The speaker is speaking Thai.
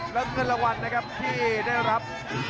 และเงินรางวัลนะครับเชียงที่ได้รับ